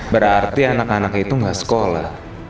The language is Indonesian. berarti anak anak itu nggak sekolah